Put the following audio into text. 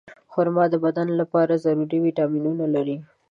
خرما د بدن لپاره ضروري ویټامینونه لري.